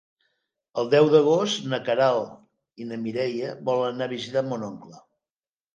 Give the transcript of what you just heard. El deu d'agost na Queralt i na Mireia volen anar a visitar mon oncle.